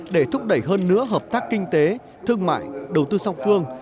để thúc đẩy hơn nữa hợp tác kinh tế thương mại đầu tư song phương